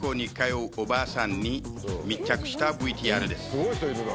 すごい人いるな。